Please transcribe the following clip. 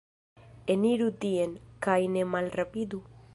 Eniru tien, kaj ne malrapidu.